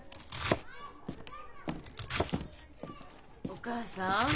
お義母さん